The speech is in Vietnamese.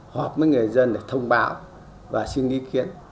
họp với người dân để thông báo và xin ý kiến